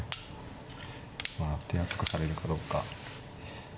まあ手厚くされるかどうか。